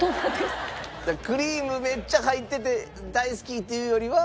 クリームめっちゃ入ってて大好きっていうよりは。